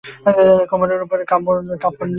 কোমরের উপরে কাপড় নেই।